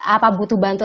apa butuh bantu